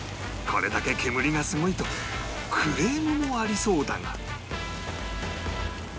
これだけ煙がすごいとクレームもありそうだが